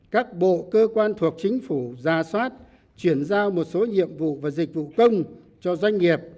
các bộ cơ quan thuộc chính phủ ra soát chuyển giao một số nhiệm vụ và dịch vụ công cho doanh nghiệp